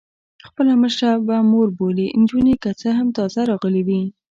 خپله مشره په مور بولي، نجونې که څه هم تازه راغلي وې.